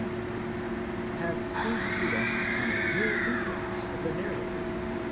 51) have seemed to rest on a mere inference of the narrator.